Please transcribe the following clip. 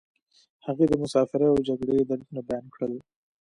هغې د مسافرۍ او جګړې دردونه بیان کړل